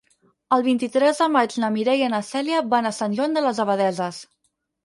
El vint-i-tres de maig na Mireia i na Cèlia van a Sant Joan de les Abadesses.